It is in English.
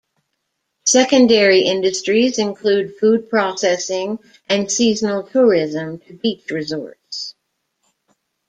Secondary industries include food processing, and seasonal tourism to beach resorts.